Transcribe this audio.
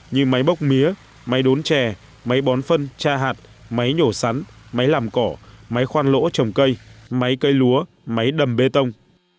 như máy móc mía máy đốn chè máy bón phân cha hạt máy nhổ sắn máy làm cỏ máy khoan lỗ trồng cây máy cây lúa máy đầm bê tông